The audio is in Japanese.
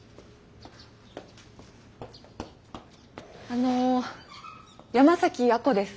あの山崎亜子です。